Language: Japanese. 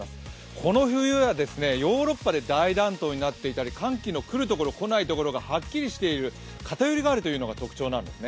この冬はヨーロッパで大暖冬になっていたり寒気の来るところ、来ないところがはっきりしている、偏りがあるというのが特徴なんですね。